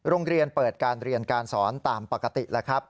โรงเรียนเปิดการเรียนการสอนตามปกติแล้วครับ